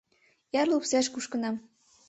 Эр лупсеш кушкынам